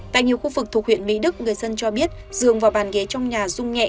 tại nhiều khu vực thuộc huyện mỹ đức người dân cho biết dường vào bàn ghế trong nhà rung nhẹ